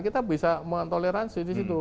kita bisa mentoleransi disitu